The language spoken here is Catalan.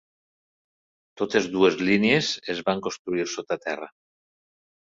Totes dues línies es van construir sota terra.